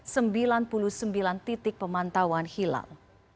sembilan puluh sembilan titik pemantauan hilal